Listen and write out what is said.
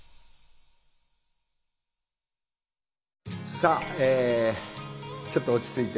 さあちょっと落ち着いて。